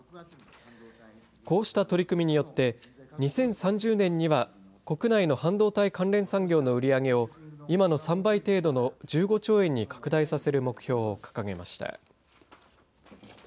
こうした取り組みによって２０３０年には国内の半導体関連産業の売り上げを今の３倍程度の１５兆円に拡大させる目標を掲げました。